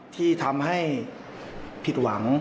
ที่ทำให้ผิดหวัง